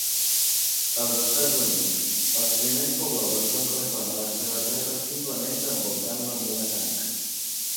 Als Estats Units, els primers pobladors van reclamar la seva terra simplement envoltant-la amb una tanca.